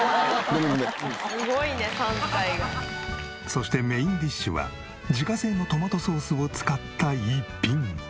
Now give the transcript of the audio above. そしてメインディッシュは自家製のトマトソースを使った逸品。